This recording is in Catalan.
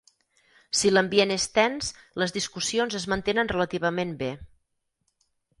Si l'ambient és tens, les discussions es mantenen relativament bé.